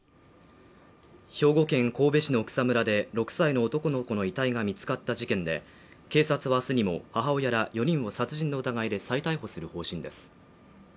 兵庫県神戸市の草むらで６歳の男の子の遺体が見つかった事件で、警察は明日にも母親ら４人を殺人の疑いで再逮捕する方針です。